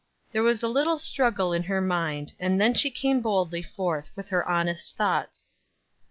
There was a little struggle in her mind, and then she came boldly forth with her honest thoughts.